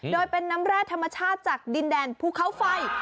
โดยเป็นน้ำแร่ธรรมชาติจากดินแดนภูเขาไฟ